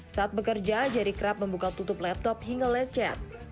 saat bekerja jerry kerap membuka tutup laptop hingga lecet